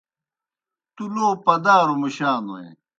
تُو لو پَدَاروْ مُشانوئے۔